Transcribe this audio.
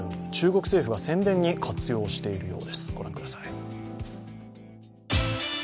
中国政府は宣伝に活用しているようです。